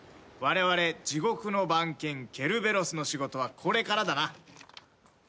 われわれ地獄の番犬ケルベロスの仕事はこれからだな。